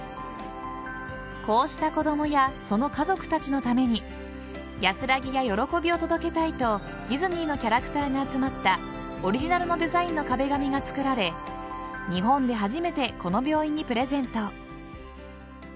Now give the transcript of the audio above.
こうした子供やその家族たちのために安らぎや喜びを届けたいとディズニーのキャラクターが集まったオリジナルのデザインの壁紙が作られ日本で初めてこの病院にプレゼント。